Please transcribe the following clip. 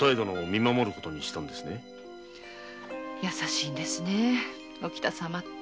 優しいんですね沖田様って。